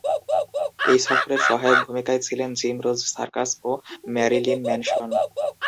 এই সফরের সহায়ক ভূমিকায় ছিলেন জিম রোজ সার্কাস ও ম্যারিলিন ম্যানসন।